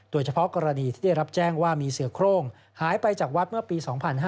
โดยเฉพาะกรณีที่ได้รับแจ้งว่ามีเสือโครงหายไปจากวัดเมื่อปี๒๕๕๙